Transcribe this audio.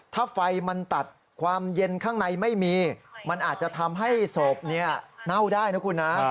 ถ้าไฟมันตัดความเย็นข้างในไม่มีมันอาจจะทำให้ศพเน่าได้นะคุณนะ